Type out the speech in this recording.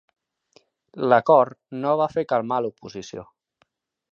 L'acord no va fer calmar l'oposició.